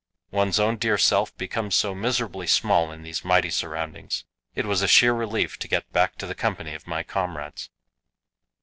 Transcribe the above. One's own dear self becomes so miserably small in these mighty surroundings; it was a sheer relief to get back to the company of my comrades."